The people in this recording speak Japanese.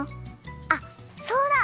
あっそうだ！